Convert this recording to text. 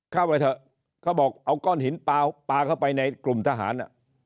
เข้าไปเถอะเขาบอกเอาก้อนหินปลาปลาเข้าไปในกลุ่มทหาร